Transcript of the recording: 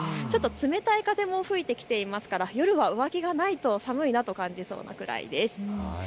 ちょっと冷たい風も吹いてきていますから、夜は上着がないと寒いなと感じるぐらいです。